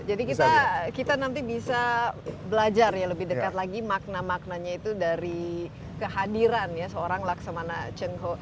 jadi kita nanti bisa belajar ya lebih dekat lagi makna maknanya itu dari kehadiran ya seorang laksamana cheng ho